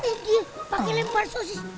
eh dia pake lembar sosis